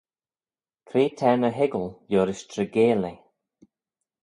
Cre t'er ny hoiggal liorish treigeil eh?